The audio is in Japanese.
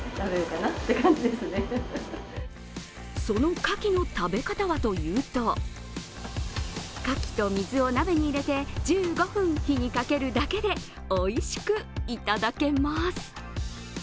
そのかきの食べ方はというとかきと水を鍋に入れて１５分、火にかけるだけでおいしくいただけます。